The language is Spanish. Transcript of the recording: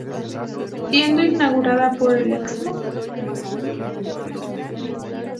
Siendo inaugurada por el Excmo.